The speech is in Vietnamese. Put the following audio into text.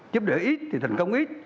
giúp đỡ ít thì thành công ít